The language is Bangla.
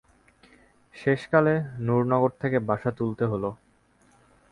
শেষকালে নুরনগর থেকে বাসা তুলতে হল।